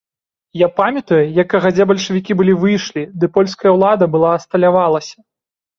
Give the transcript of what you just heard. Я памятаю, як кагадзе бальшавікі былі выйшлі, ды польская ўлада была асталявалася.